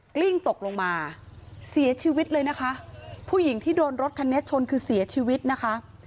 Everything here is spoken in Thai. กลิ้งตกลงมาเสียชีวิตเลยนะคะผู้หญิงที่โดนรถคันนี้ชนคือเสียชีวิตนะคะ